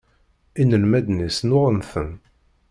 Inelmaden-is nnuɣen-ten.